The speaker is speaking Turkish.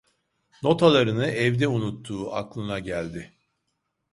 Notalarını evde unuttuğu aklına geldi.